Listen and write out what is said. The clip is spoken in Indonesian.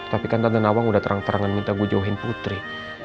tapi kan tante nawang udah terang terangan minta bu john putri